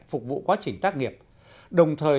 phục vụ quá trình tác nghiệp đồng thời